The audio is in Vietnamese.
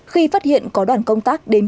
khi phát hiện có đoàn công tác đến